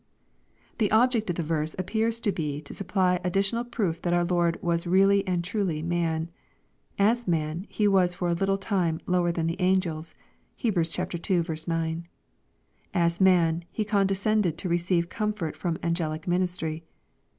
The object of the verse appears to be to supply additional proof , that our Lord was really and truly man. As man, He was for I a little time " lower than the angels." (Heb. ii. 9.) As man, He condescended to receive comfoit from angelic ministry.